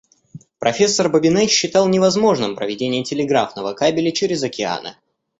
Профессор Бабине считал невозможным проведение телеграфного кабеля через океаны.